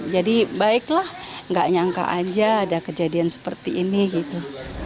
jadi baiklah gak nyangka aja ada kejadian seperti ini gitu